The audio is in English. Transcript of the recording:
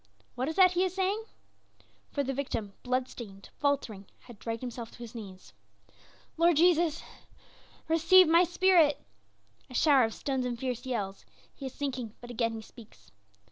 What is that he is saying?" For the victim, blood stained, faltering, had dragged himself to his knees. "Lord Jesus, receive my spirit." A shower of stones and fierce yells; he is sinking, but again he speaks.